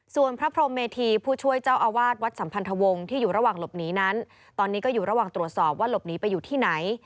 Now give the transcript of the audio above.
ส่วนพระพรมเมธีผู้ช่วยเจ้าอาวาสวัดสัมพันธวงศ์ที่อยู่ระหว่างหลบหนีนั้นตอนนี้ก็อยู่ระหว่างตรวจสอบว่าหลบหนีไปอยู่ที่ไหน